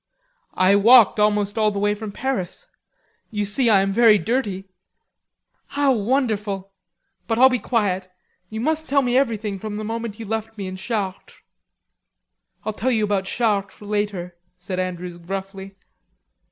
"I walked almost all the way from Paris. You see, I am very dirty." "How wonderful! But I'll be quiet. You must tell me everything from the moment you left me in Chartres." "I'll tell you about Chartres later," said Andrews gruffly.